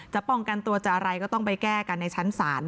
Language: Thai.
ป้องกันตัวจะอะไรก็ต้องไปแก้กันในชั้นศาล